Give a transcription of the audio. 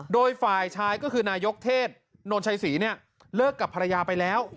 โดยฝ่ายชายก็คือนายกเทศโนนชัยศรีเนี่ยเลิกกับภรรยาไปแล้ว